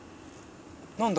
何だ？